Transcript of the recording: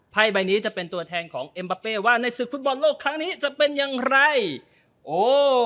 ใบนี้จะเป็นตัวแทนของเอ็มบาเป้ว่าในศึกฟุตบอลโลกครั้งนี้จะเป็นอย่างไรโอ้